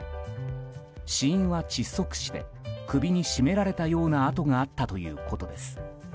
死因は窒息死で首に絞められたような痕があったということです。